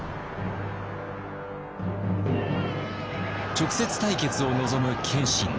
直接対決を望む謙信。